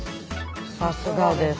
さすがです。